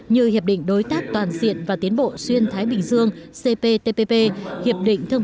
như hiệp định đối tác toàn diện và tiến bộ xuyên thái bình dương cptpp hiệp định thương